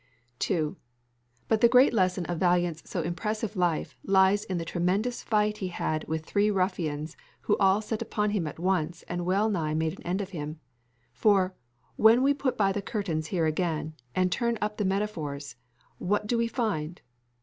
2. But the great lesson of Valiant's so impressive life lies in the tremendous fight he had with three ruffians who all set upon him at once and well nigh made an end of him. For, when we put by the curtains here again, and turn up the metaphors, what do we find?